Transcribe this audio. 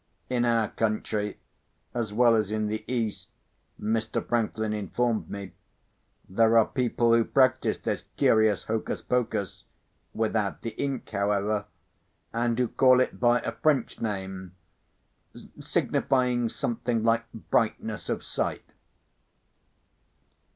In our country, as well as in the East, Mr. Franklin informed me, there are people who practise this curious hocus pocus (without the ink, however); and who call it by a French name, signifying something like brightness of sight.